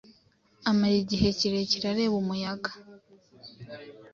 amara igihe kirekire areba umuyaga.